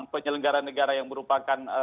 penyelenggara negara yang merupakan